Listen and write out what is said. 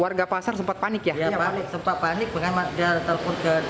warga pasar sempat panik ya ya banget sempat panik dengan matial telepon ke